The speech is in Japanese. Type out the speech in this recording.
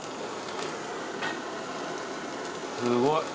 すごい。